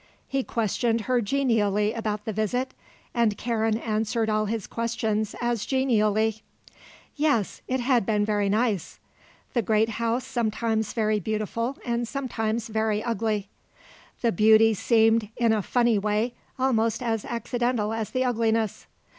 He questioned her genially about the visit, and Karen answered all his questions as genially. Yes; it had been very nice; the great house sometimes very beautiful and sometimes very ugly; the beauty seemed, in a funny way, almost as accidental as the ugliness.